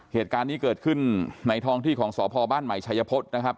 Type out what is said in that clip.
เหตุการณ์นี้เกิดขึ้นในท้องที่ของสพบ้านใหม่ชัยพฤษนะครับ